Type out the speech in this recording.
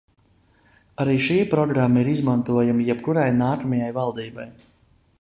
Arī šī programma ir izmantojama jebkurai nākamajai valdībai.